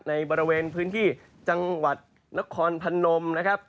ในบริเวณพื้นที่จังหวัดนครพนมนะครับ